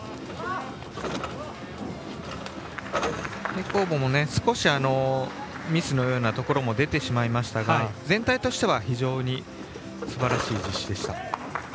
平行棒も少しミスのようなところも出てしまいましたが全体としては非常にすばらしい実施でした。